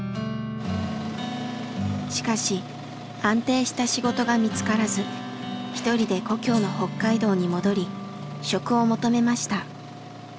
しかし安定した仕事が見つからず一人で故郷の北海道に戻り職を求めました。